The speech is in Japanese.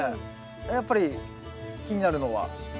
やっぱり気になるのは。